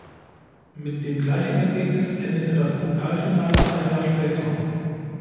Mit dem gleichen Ergebnis endete das Pokalfinale ein Jahr später.